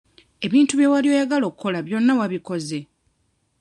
Ebintu bye wali oyagala okukola byonna wabikoze?